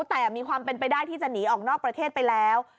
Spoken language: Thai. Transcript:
แต่มีความเป็นไปได้ที่จะหนีออกนอกประเทศไปแล้ว